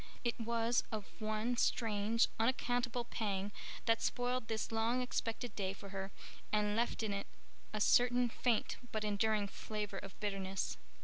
It was of one strange, unaccountable pang that spoiled this long expected day for her and left in it a certain faint but enduring flavor of bitterness.